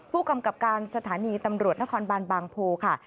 ผู้กำกับการสถานีตำรวจนครบานบางโพค่ะ